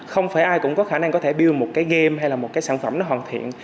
không phải ai cũng có khả năng có thể đưa một cái game hay là một cái sản phẩm nó hoàn thiện